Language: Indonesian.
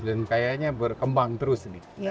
dan kayanya berkembang terus nih